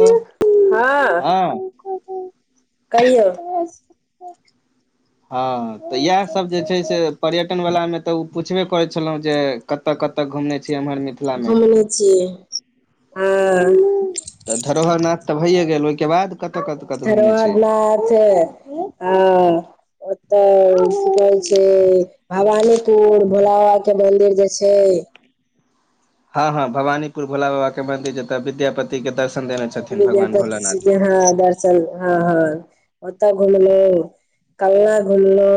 ओ [inaudible] हँ कहियो हँ तऽ इएह सब जे छै से पर्यटन बलामे तऽ ओ पुछबे करै छलहुँ जे कतऽ कतऽ घुमने छी एम्हर मिथि घुमने छीय आ [inaudible] तऽ धरोहर नाथ तऽ भैयए गेल ओहिके बाद कत कत कत घुमने छिय [inaudible] ओतऽ की कहै छै भवानीपुर भोला बाबा केँ मंदिर जे छै हँ हँ भवानीपुर भोला बाबा केँ मंदिर जतऽ विद्यापति केँ दर्शन देने छै विद्यापति से [unintelligible] [unintelligible] हँ हँ ओतऽ घुमलू कलना घुमलू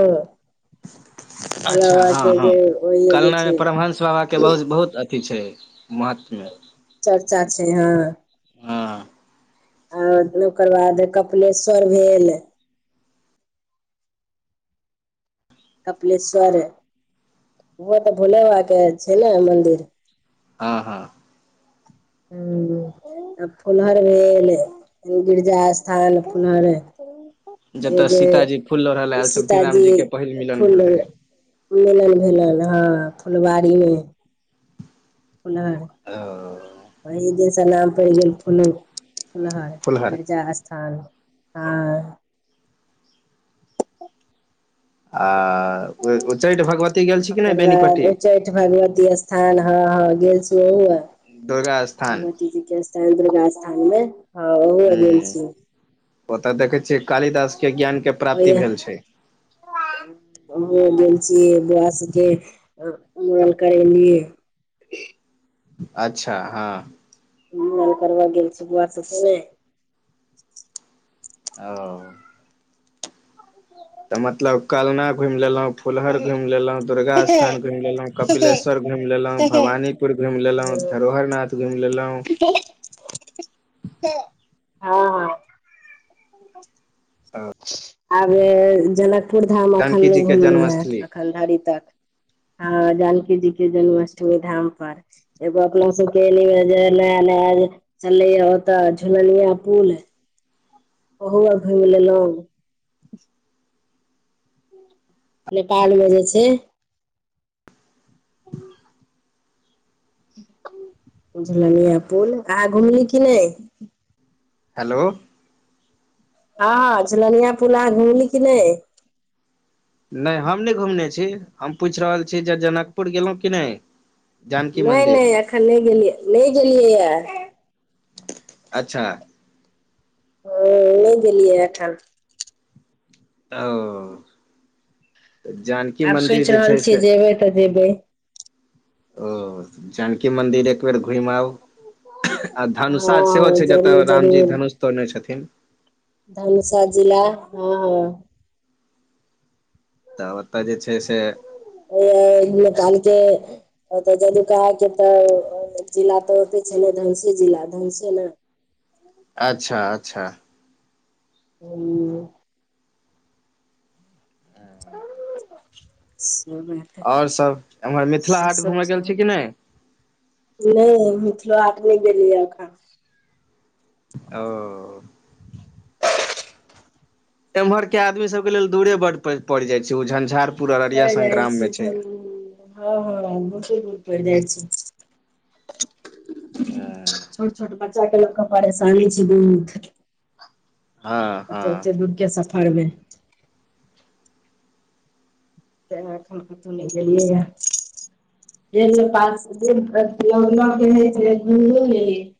अच्छा हँ हँ जे ओहि जे कलना मे छै परमंस बाबा केँ बहुत बहुत अ अथी छै महत्व चर्चा छै हँ हँ हँ ओकर बाद कपिलेश्वर भेल कपिलेश्वर ओहो तऽ भोले बाबा केँ छै नऽ मन्दिर हँ हँ हुँ तऽ फुलहर भेल गिरिजा स्थान फुलहर एहि जतय जे सीताजी फूल लोढ़ऽ लए आयल छलखिन सीताजी रामजी के पहिल मिलन भेल फूल रहै मिलन भेलैन हँ फुलबाड़ी मे [unintelligible] ओ वहि दिनसँ नाम पड़ि गेल फुलो फुलहर गिरिजा स्थान हँ आ उ - उच्चैठ भगवती गेल छी कि नय ओकर बाद बेनीपट्टी उच्चैठ भगवती स्थान हँ हँ गेल घिये अ दुर्गा स्थान भगवती जी केँ [unintelligible] दुर्गा स्थान मे हँ ओहुए गेल हुँ छी ओतऽ देखै छियै कालिदास केँ ज्ञान केँ ओहि ये ओम्हरो गेल छी बौआ सबके मूड़न करेलि अच्छा हँ मुड़न करबऽ गेल छी बुआ सबके नय ओ तऽ मतलब कलना घुइम लेलहुँ फुलहर घुइम लेलहुँ दुर्गा स्थान घुइम लेलहुँ कपिलेश्वर घुइम लेलहुँ भवानीपुर घुइम लेलहुँ हूँ धरोहरनाथ घुइम लेलहुँ हँ हँ ओ आब जनकपुर धाम अखन जानकी जी नय के घुमलहु हे जन्मस्थली अखन धरि तक हँ जानकी जी केँ जन्माष्टमी धाम पर एगो अपना सब केँ एलैय जे नया नया चलले यऽ ओतऽ झूलनिया पुल ओहो अर घुइम लेलहुँ नेपाल मे जे छै झुलनिया पुल अहाँ घुमली की नै हेलो हँ झुलनिया पुला अहाँ घुमली की नै नय हम नय घुमने छी हम पूछि रहल छी जे जनकपुर गेलहुँ की नय नय नय एखन नय गेलियै नय गेलियै यऽ अच्छा ओ नय गेलियै एखन ओ तऽ जानकी आब मन्दिर सोचि जे रहल छै छियै से [inaudible] जेबै तऽ जेबै ओ जानकी मन्दिर एकबेर घुम आउ आ हँ धनुषा सेहो छै जत जरूर रामजी धनुष तोड़ने छथिन धनुसा जिला हऽ तऽ ओतय जे छै से [unintelligible] ओ तऽ जदुकाहा कऽ तऽ जिला तऽ ओते छै ने धनसी जिला धनसे ने अच्छा अच्छा [unintelligible] [unintelligible] [unintelligible] और सब एम्हर मिथिला से हाट घूमय गेल छियै कि नै नै मिथिलो हाट नै गेलियै एखन ओ एम्हर केँ आदमी सब केँ लेल दूरे बड पड़ जाय छै झंझारपुर अररिया पड़ि जाइ संगग्राम में छै हँ हँ बहुत दिन पहिने [unintelligible] [unintelligible] छोट छोट बच्चाे ले कऽ परेशानी छै दुध हँ [inaudible] ओते हँ ओते दुर केँ सफर में तऽ दुआरे एखन कतौ नै गेलियै है [unintelligible]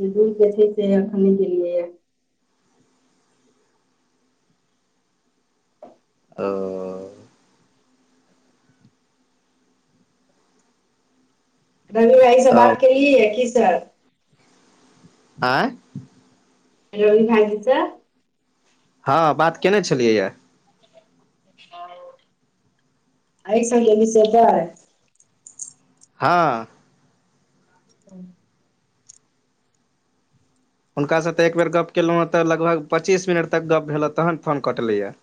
जे दूर कऽ छै से अखन गेलियै या ओ रवि भाईजी से बात तब केलियै है की सब आइ रवि भाईजी स हँ बात केयने छलियै यऽ [unintelligible] अइ सब केँ विषय पर हँ [unintelligible] हुनका स तऽ एक बेेर गप केलौं हँ तऽ लगभग पच्चीस मिनट तक गप्प भेल हँ तहन फोन कटलै यऽ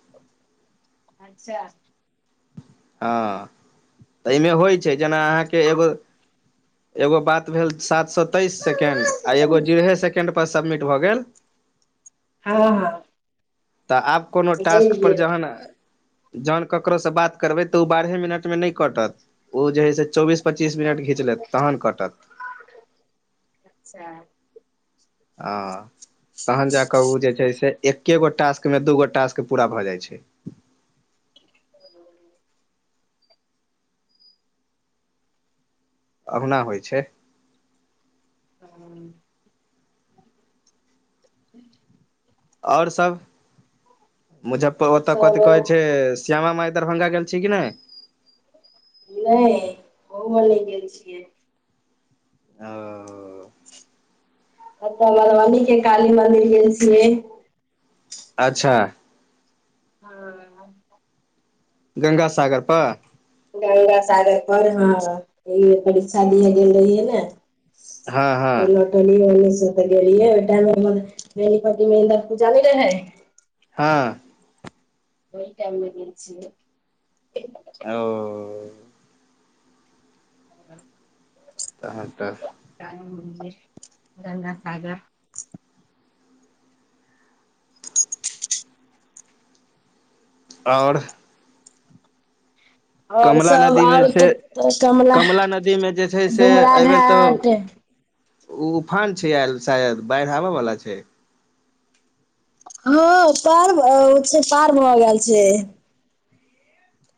अच्छा हँ [inaudible] तऽ एहिमे होइ छै जेना अहाँकेँ एगो [inaudible] एगो बात भेल सात सै तेइस सेकेंड आ एगो जेरहे सेकेंड पर सबमिट भऽ गेल हँ हँ तऽ आब कोनो टास्क पर गेलियै जहन जहन ककरो स बात करबै तऽ ओ बारहे मिनट म नै कटत ओ जे है से चौबीस पच्चीस मिनट घिच लेत तहन कटत सेह हऽ [inaudible] तहन जा कऽ ओ जे छै से एक एक गो टास्क में दूगो टास्क पूरा भऽ जाइ छै ह [unintelligible] ओहुना होइ छै [unintelligible] और सब [inaudible] मुजफ्फर ओ तऽ सब कथी कहै छै श्यामा माई दरभंगा गेल छी कि नै नहि ओमे नहि गेल छियै अ-ओ ओत्त मधुबनी के काली मन्दिर गेल छियै अच्छा हँ गंगासागर प- गंगासागर पर हँ इ- परीक्षा दिए गेल रहियै ने हँ हँ त लौटलियै ओने से तऽ गेलियै ओहि टाइममे बनीपट्टी मे इंन्दर पूजा न रहै हँ ओहि टाइममे गेल छियै अ-ओ ह [inaudible] तहन तऽ काली मन्दिर गङ्गसागर आओर आओर कमला सब नदीमे आओर जे छै तऽ कमला नदीमे जे छै से डुमरा एहिबेर तऽ घाट ओ उफान छै आएल शायद बाढ़ि आबैवला छै हँ पार भ-छै पार भ गैल छै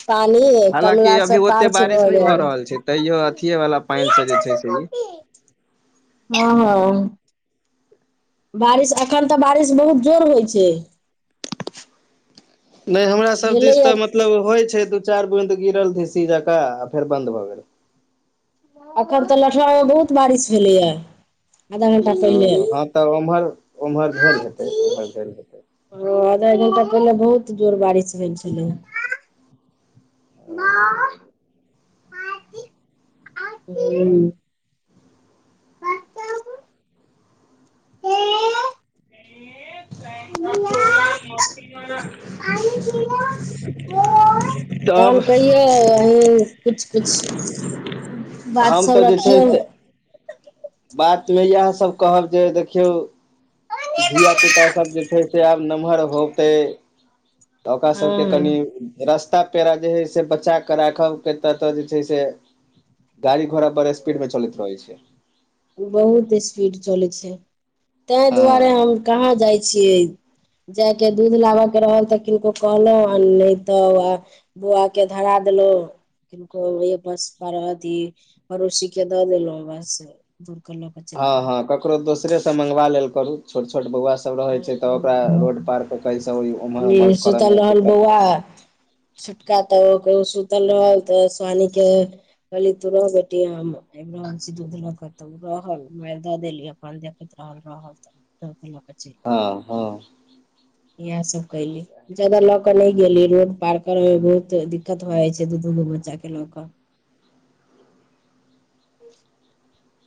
पानि कमला हालाँकि अभी स पार ओते छै बारिश भऽ नहि गेल रहल छै तैयो अथिये वाला पानि से जे छै से ई हँ-हँ बारिश एखन तऽ बारिश बहुत जोर होइ छै नहि हमरा सभ दिस भेलैया तऽ मत- मतलब होइ छै तू चारि बून्द गिरल झींसी जंका आ फेर बन्द भऽ गेल अखन तऽ लठुआ मे बहुत बारिश भेलैया आधा घंटा पहिले तब ओमहर ओमहर भेल हेतै ओम्हर भेल हेतै ओ आधा घन्टा तऽ पहिले बहुत जोर बारिश भेल छलै न आ [inaudible] एक [unintelligible] तहन कहियौ अहीं कुछ कुछ बात हम सब रखियौ बात मे इहाए सब कहब जे देखियौ धिय पुता सब जे छै से आब नमहर होतै तऽ ओकरा सभके कनि हँ रस्ता पेड़ा जे हइ से बचा क राखब केतऽ तऽ जे छै से गाड़ी घोड़ा बड़ स्पीड मे चलैत रहैत छै बहुत स्पीड चलै छै तैं दुआरे हँ हम कहाँ जाइ छियै जाएके दूध लाबऽ कऽ रहल तऽ किनको कहलहूँ आ नहि तऽ आ बौआकेँ धरा देलहुँ किनको बस अथि पड़ोसी के दऽ देलौं बस दूर कलौं हँ हँ ककरो दोसरे से मंगवा लेल करु छोट छोट बौआ सब सब रहे छै तऽ ओकरा हम्म, रोड पार क कऽ ऐसऽ एमहर उमहर करै मे सुतल रहल दिक्कत नहि बौआ होइ छै छोटका तऽ ओ सुतल रहल तऽ सुहानी के कहली तु रह बेटी हम आबि रहल छी दूध ल कऽ तऽ ओ रहल मे द देली अपन देखैत रहल त अछि हँ हँ इहे सब कयली जादा लऽ कऽ नहि गेली रोड पार करैमे बहुत दिक्कत भऽ जाइ छै दू दू गो बच्चाके लऽ कऽ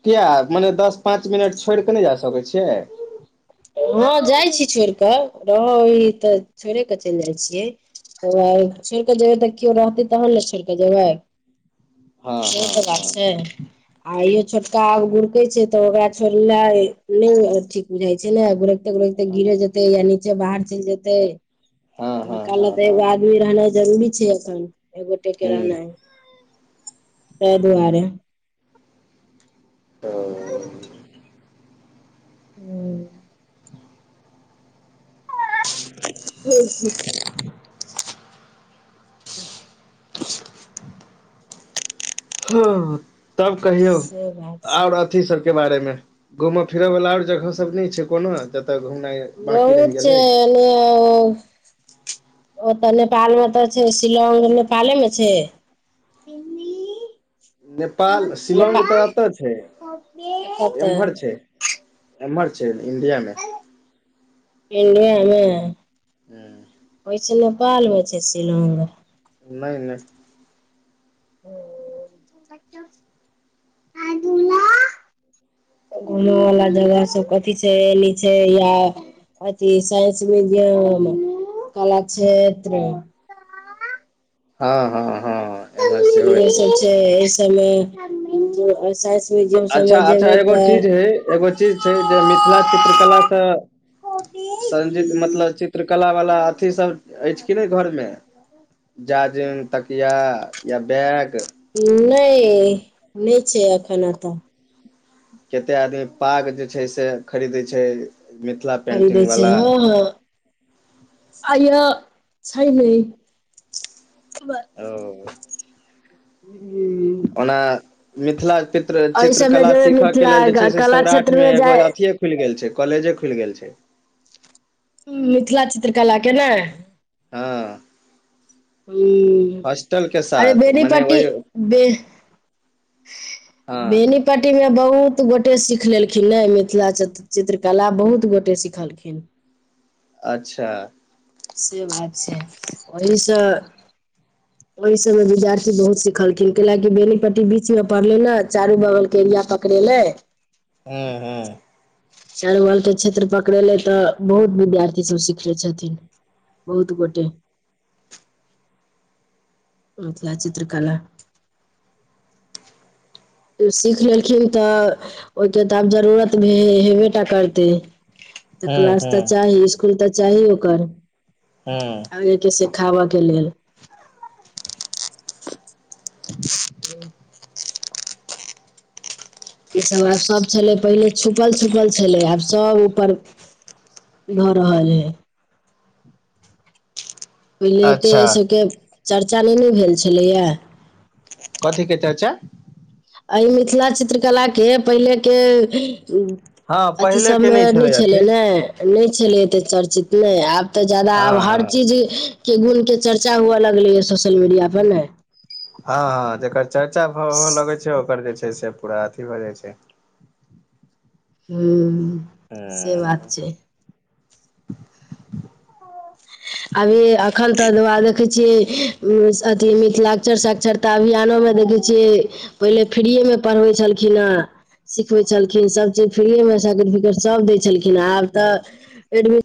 किए मने दस पाँच मिनट छोड़ि कऽ नय जा सकै छियै हँ जाइ छी छोड़ि कऽ रहै तऽ छोड़े कऽ चलि जाइ छियै तऽ छोड़िकऽ जेबै तऽ केओ रहतै तहन ने छोड़िकऽ जेबै हँ से हँ तऽ बात हँ छै। आ इहो छोटका आब गुुरकै छै तऽ ओकरा छोड़नाइ ने ठीक बुझाइ छै ने गुरक केते गिरे जेतै या नीचे बाहर चलि जेतै। हँ हँ हिनका लग हँ तऽ हँ एगो आदमी रहनाइ जरूरी छै एखन एकगोटे के हूँ रहनाय। तइ दुआरे ओ हुँ [inaudible] [inaudible] [inaudible] [inaudible] हँ तब कहियौ से बात आओर आद अथी सब के बारे मे घूमय फिरए वाला आओर जगह सब नय छै कोनो जते घुमना य बहुत छै एलियै ओ ओ तऽ नेपाल मे तऽ छै शिलौंग नेपाले मे छै मम्मी [inaudible] नेपाल शिलौंग तऽ एतऽ छै कतऽ एम्हर छै एम्हर छै इंडिया मे इंडिये मे हँ होइ छै नेपाल मे छै शिलौंग नय नय [inaudible] घुमै वाला जगह सब कथी छै एनी छै या अथी साइंस मिडियम कला क्षेत्र हँ हँ हँ एम्हर सेहो इहे एगो सब छै एहि सबमे साइंस म्यूजियम सबमे अच्छा अच्छा जेबै एगो तऽ चीज हय एगो चीज छै जे मिथिला चित्रकला सँ संजीत मतलब चित्रकला वला अथीसभ अछि की नय घरमे [inaudible] जाजिम तकिया या बैग नय नय छै अखन एतऽ केते आदमी पाग जे छै से खरीदै छै मिथिला खरीदै पेंटिंग छै वाला हँ हँ आय छै नय खबर। ओ हूँ ओना मिथिला पित्र एहि सबमे चित्रकला जेबै सिखय के मिथिला लेलऽ जे छै से कला सौराठ मे क्षेत्रमे एगो जाय अथि खुलि गेल छै कलेजे खुलि गेल छै मिथिला चित्रकला के न ह ह के अरे साथ मने बेनीपटटी ओहि ब हँ बेनीपट्टी मे बहुत गोटे सिख लेलखिन मिथिला च चित्रकला बहुत गोटे सिखल खिन अच्छा। से बात छै ओहीस ओहि सभ मे विद्यार्थी बहुत सिखलखिन कऽ लाकी बेनीपट्टी बीच मे पढ़ले ने चारू बगल के एरिया पकड़ेले। हू चार बल के क्षेत्र पकड़ेले तऽ बहुत विद्यार्थी सभ सिखले छथिन। बहुत गोटे। मिथिला चित्रकला। सीख लेलखिन त ओहिके तऽ आब जरूत भऽ हेबेटा करतै तऽ हूँ क्लास तऽ हूँ चाही स्कुल त चाही ओकर हू जे के से खाबऽ के लेल। [unintelligible] [unintelligible] ईसभ आब सभ छलै। पहिले छुपल छुपल छलै। आब सभ ऊपर भऽ रहल है। पहिले एते अच्छा एहि सभके चर्चा नहि ने भेल छलैया। कथी के चर्चा एहि मिथिला चित्रकला के पहिले के। हँ अथी पहिले के सभमे नहि छलै अथी ने। नहि छलै एते चर्चि नहि आब तऽ जादा आब हँ हँ हर चीज के गुण के चर्चा हुए लगले ये सोशल मीडिया पर न ह ह जेकर चर्चा भ लगैत छै ओकर जे छै से पूरा अथी भऽ जाइत छै हू से हँ बात छै अभी एखन तक दुअरा देखै छियै अथी मिथिला क्षर साक्षरता अभियानो मे देखै छियै पहिले फ्रीए मे पढ़बै छलखिन हे सिखबै छलखिन सभ चीज फ्रीए मे सर्टिफिकेट सभ दै छलखिन आब तऽ ए